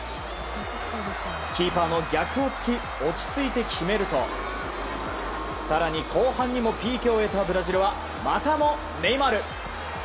キーパーの逆を突き落ち着いて決めると更に後半にもＰＫを得たブラジルはまたもネイマール。